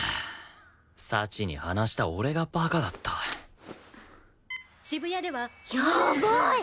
幸に話した俺がバカだったやばーい！